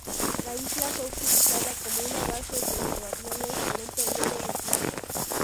La isla fue utilizada como una base de hidroaviones por un período de tiempo.